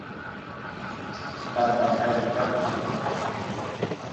Tàabay hay lɛ jag gutug.